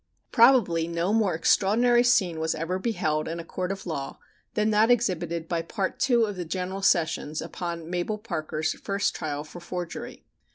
Probably no more extraordinary scene was ever beheld in a court of law than that exhibited by Part II of the General Sessions upon Mabel Parker's first trial for forgery.